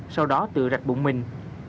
sau đó tự rạch bụng mình